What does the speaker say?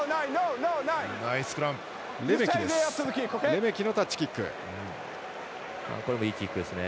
レメキのタッチキックでした。